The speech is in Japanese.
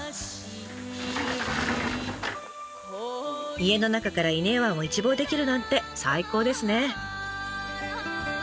家の中から伊根湾を一望できるなんて最高ですね。